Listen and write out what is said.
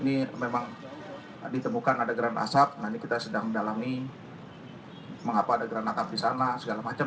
ini memang ditemukan ada grand asap nah ini kita sedang mendalami mengapa ada granat up di sana segala macam